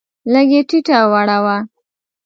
لږ یې ټیټه وړوه.